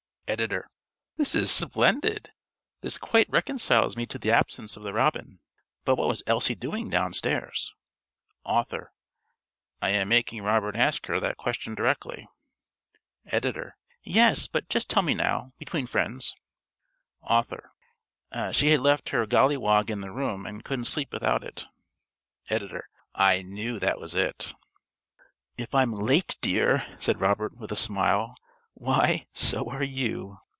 (~Editor.~ This is splendid. This quite reconciles me to the absence of the robin. But what was Elsie doing downstairs? ~Author.~ I am making Robert ask her that question directly. ~Editor.~ Yes, but just tell me now between friends. ~Author.~ She had left her golliwog in the room, and couldn't sleep without it. ~Editor.~ I knew that was it.) "If I'm late, dear," said Robert, with a smile, "why, so are you."